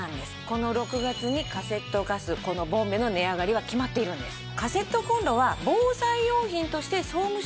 この６月にカセットガスこのボンベの値上がりは決まっているんです。